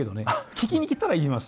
聞きに来たら言います。